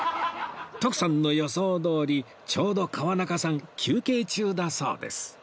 徳さんの予想どおりちょうど川中さん休憩中だそうです